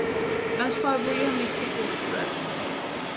განსხვავებულია მისი კულტურაც.